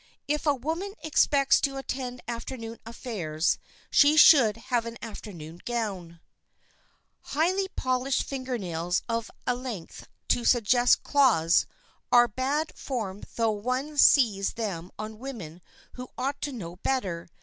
If a woman expects to attend afternoon affairs she should have an afternoon gown. Highly polished finger nails of a length to suggest claws, are bad form though one sees them on women who ought to know better.